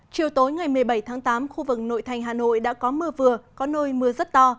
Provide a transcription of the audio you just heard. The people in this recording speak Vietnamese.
chiều tối ngày một mươi bảy tháng tám khu vực nội thành hà nội đã có mưa vừa có nơi mưa rất to